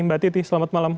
mbak titi selamat malam